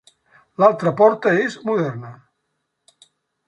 L'altra porta és moderna.